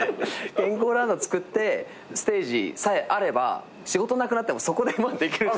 健康ランドつくってステージさえあれば仕事なくなってもそこでできる。